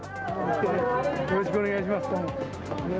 よろしくお願いします。